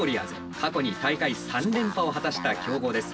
過去に大会３連覇を果たした強豪です。